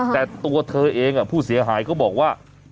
แต่ตัวเธอเองผู้เสียหายก็บอกว่า